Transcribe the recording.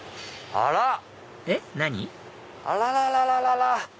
あらららららら！